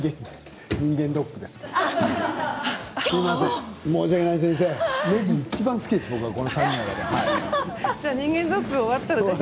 人間ドックです、きょう。